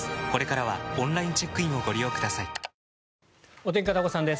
お天気、片岡さんです。